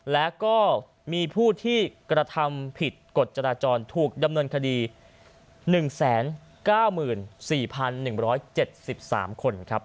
และก็มีผู้ที่กระทำผิดกฎจราจรถูกดำเนินคดี๑๙๔๑๗๓คนครับ